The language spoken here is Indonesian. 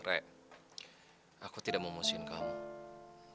re aku tidak mau musim kamu